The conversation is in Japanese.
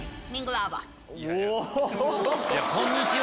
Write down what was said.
こんにちは！